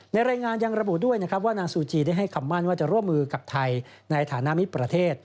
รายงานยังระบุด้วยนะครับว่านางซูจีได้ให้คำมั่นว่าจะร่วมมือกับไทยในฐานะมิตรประเทศ